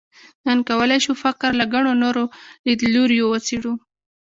نن کولای شو فقر له ګڼو نورو لیدلوریو وڅېړو.